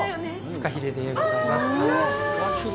フカヒレでございます。